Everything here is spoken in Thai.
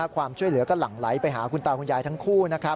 ความช่วยเหลือก็หลั่งไหลไปหาคุณตาคุณยายทั้งคู่